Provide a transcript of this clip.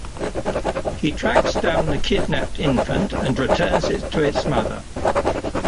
He tracks down the kidnapped infant and returns it to its mother.